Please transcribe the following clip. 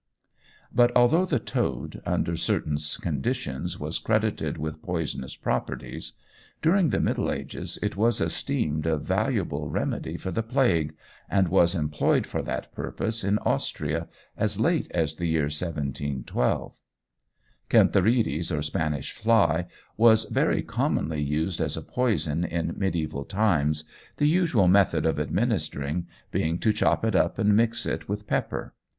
But although the toad under certain conditions was credited with poisonous properties, during the Middle Ages it was esteemed a valuable remedy for the plague, and was employed for that purpose in Austria as late as the year 1712. Cantharides, or Spanish fly, was very commonly used as a poison in mediæval times, the usual method of administering being to chop it up and mix it with pepper.